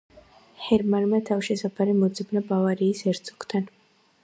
ჰერმანმა თავშესაფარი მოძებნა ბავარიის ჰერცოგთან.